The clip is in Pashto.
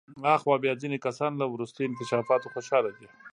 آخوا بیا ځینې کسان له وروستیو انکشافاتو خوشحاله دي.